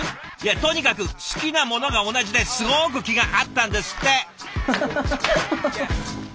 とにかく好きなものが同じですごく気が合ったんですって。